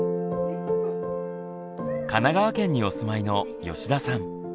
神奈川県にお住まいの吉田さん。